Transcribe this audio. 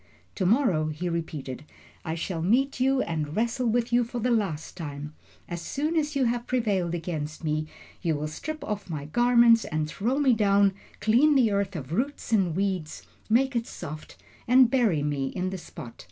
To morrow," he repeated, "I shall meet you and wrestle with you for the last time. As soon as you have prevailed against me, you will strip off my garments and throw me down, clean the earth of roots and weeds, make it soft, and bury me in the spot.